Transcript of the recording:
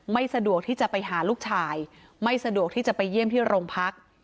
สะดวกที่จะไปหาลูกชายไม่สะดวกที่จะไปเยี่ยมที่โรงพัก